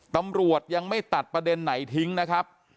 ตำรวจยังไม่ตัดประเด็นไหนทิ้งนะครับ